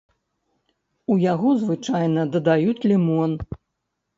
У яго звычайна дадаюць лімон.